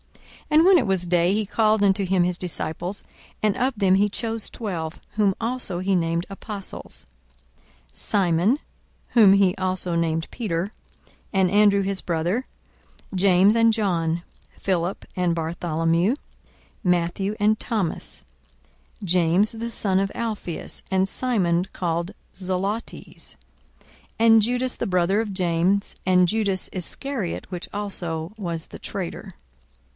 42:006:013 And when it was day, he called unto him his disciples: and of them he chose twelve, whom also he named apostles; 42:006:014 Simon, (whom he also named Peter,) and Andrew his brother, James and John, Philip and Bartholomew, 42:006:015 Matthew and Thomas, James the son of Alphaeus, and Simon called Zelotes, 42:006:016 And Judas the brother of James, and Judas Iscariot, which also was the traitor.